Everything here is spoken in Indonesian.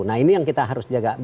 nah ini yang kita harus jaga